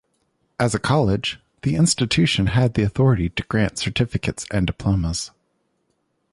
As a college, the institution had the authority to grant certificates and diplomas.